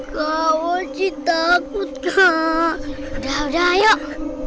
kak wajib takut kak udah udah yuk